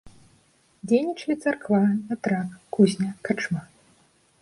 Дзейнічалі царква, вятрак, кузня, карчма.